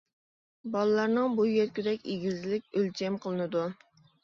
بالىلارنىڭ بويى يەتكۈدەك ئېگىزلىك ئۆلچەم قىلىنىدۇ.